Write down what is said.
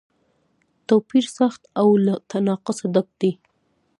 توپیر سخت او له تناقضه ډک دی.